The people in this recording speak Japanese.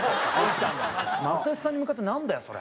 「又吉さんに向かってなんだよ？それ」。